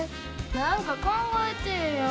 何か考えてえや。